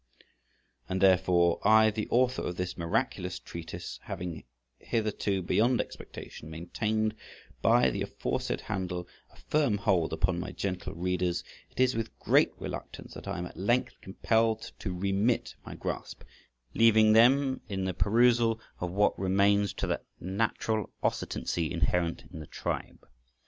And therefore I, the author of this miraculous treatise, having hitherto, beyond expectation, maintained by the aforesaid handle a firm hold upon my gentle readers, it is with great reluctance that I am at length compelled to remit my grasp, leaving them in the perusal of what remains to that natural oscitancy inherent in the tribe.